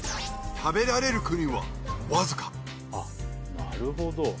食べられる国はわずかあっなるほど。